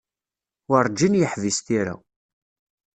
Werǧin yeḥbis tira.